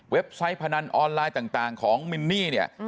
ไซต์พนันออนไลน์ต่างของมินนี่เนี่ย